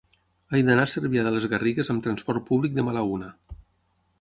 He d'anar a Cervià de les Garrigues amb trasport públic demà a la una.